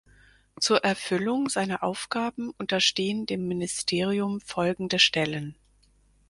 Zur Erfüllung seiner Aufgaben unterstehen dem Ministerium folgende Stellen.